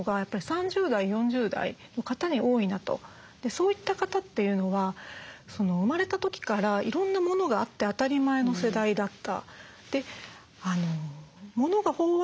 そういった方というのは生まれた時からいろんな物があって当たり前の世代だった。